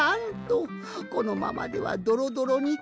このままではドロドロにとけて。